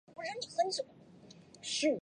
单应性是几何中的一个概念。